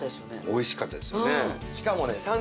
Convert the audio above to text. おいしかったですよね。